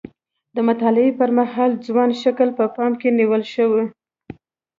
د مطالعې پر مهال ځوان شکل په پام کې نیول شوی.